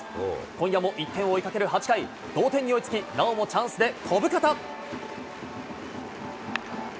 今夜も１点を追いかける８回、同点に追いつき、なおもチャンスで小深田。